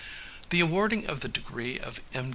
" The awarding of the degree of M.